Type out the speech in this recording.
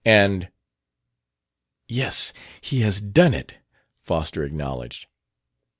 And " "Yes, he has done it," Foster acknowledged.